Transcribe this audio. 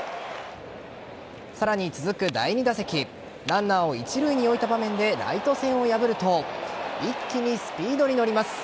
さらに、続く第２打席ランナーを一塁に置いた場面でライト線を破ると一気にスピードに乗ります。